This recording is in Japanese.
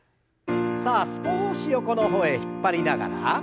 さあ少し横の方へ引っ張りながら。